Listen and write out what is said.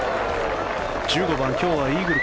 １５番、今日はイーグル